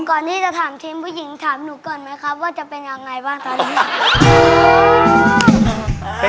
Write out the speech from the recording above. ก่อนที่จะถามทีมผู้หญิงถามหนูก่อนไหมครับว่าจะเป็นยังไงบ้างตอนนี้